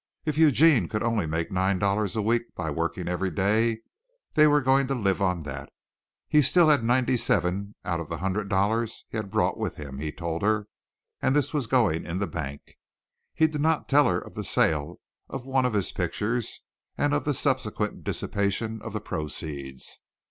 If Eugene could only make nine dollars a week by working every day, they were going to live on that. He still had ninety seven of the hundred dollars he had brought with him, he told her, and this was going in the bank. He did not tell her of the sale of one of his pictures and of the subsequent dissipation of the proceeds.